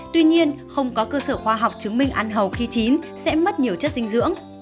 tuy nhiên không có cơ sở khoa học chứng minh ăn hầu khi chín sẽ mất nhiều chất dinh dưỡng